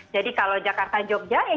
jadi kalau jakarta itu kita bisa lihat